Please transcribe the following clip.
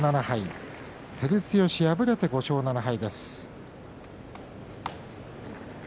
照強、敗れて５勝７敗です。